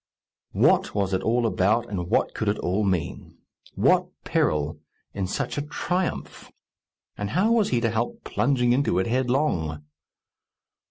What was it all about, and what could it all mean? What peril in such a triumph! And how was he to help plunging into it headlong?